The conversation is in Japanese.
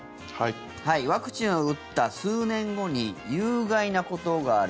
ワクチンを打った数年後に有害なことがある。